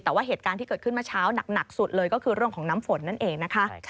แต่ว่าเหตุการณ์ที่เกิดขึ้นเมื่อเช้าหนักสุดเลยก็คือเรื่องของน้ำฝนนั่นเองนะคะ